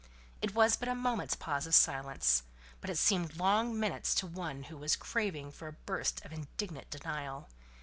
It was but a moment's pause of silence; but it seemed long minutes to one who was craving for a burst of indignant denial.